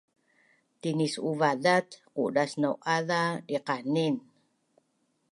Tinisuva’azat qudasnau’aza diqanin